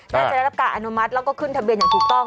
ได้รับการอนุมัติแล้วก็ขึ้นทะเบียนอย่างถูกต้อง